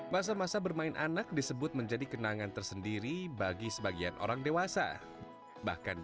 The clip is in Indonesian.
masa masa bermain anak disebut menjadi kenangan tersendiri bagi sebagian orang dewasa bahkan di